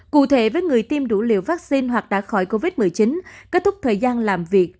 cụ thể với người tiêm đủ liều vaccine hoặc đã khỏi covid một mươi chín kết thúc thời gian làm việc